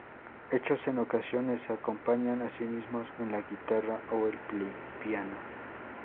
Hechos en ocasiones se acompañan a sí mismos en la guitarra o el piano.